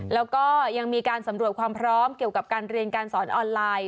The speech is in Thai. แล้วก็ยังมีการสำรวจความพร้อมเกี่ยวกับการเรียนการสอนออนไลน์